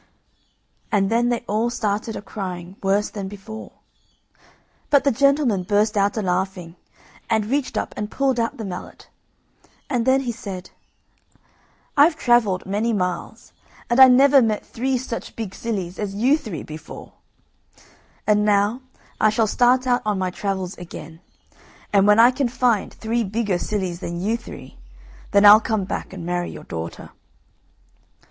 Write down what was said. And then they all started a crying worse than before. But the gentleman burst out a laughing, and reached up and pulled out the mallet, and then he said: "I've travelled many miles, and I never met three such big sillies as you three before; and now I shall start out on my travels again, and when I can find three bigger sillies than you three, then I'll come back and marry your daughter."